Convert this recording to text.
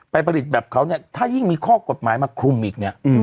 ไปผลิตแบบเขาถ้ายิ่งมีข้อกฎหมายมาคุมอีก